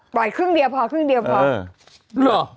ปล่อยครึ่งเดียวพอครึ่งเดียวพอ